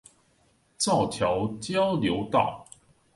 造橋交流道